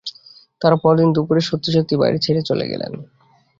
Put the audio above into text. তাঁরা পরদিন দুপুরে সত্যি সত্যি বাড়ি ছেড়ে চলে গেলেন।